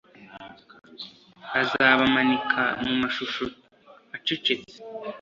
Azabamanika mumashusho acecetse